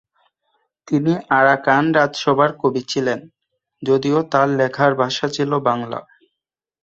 তিনি আরাকান রাজসভার কবি ছিলেন, যদিও তার লেখার ভাষা ছিলো বাংলা।